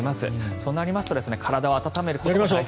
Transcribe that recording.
そうなりますと体を温めることが大切。